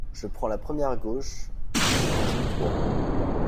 Je prends la première à gauche, puis je continue tout droit.